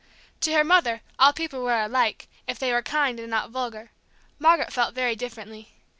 To her mother all people were alike, if they were kind and not vulgar; Margaret felt very differently.